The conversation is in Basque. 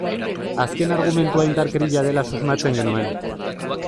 Azken argumentua indarkeria dela susmatzen genuen.